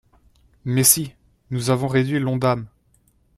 Mais si, nous avons réduit l’ONDAM